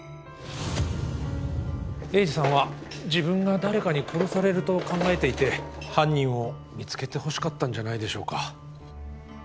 栄治さんは自分が誰かに殺されると考えていて犯人を見つけてほしかったんじゃないでしょうか。